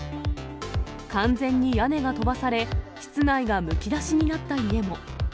完全に屋根が飛ばされ、室内がむき出しになった家も。